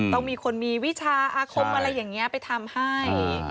ต้องมีคนมีวิชาอาคมอะไรอย่างนี้ไปทำให้